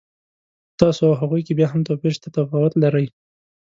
خو په تاسو او هغوی کې بیا هم توپیر شته، تفاوت لرئ.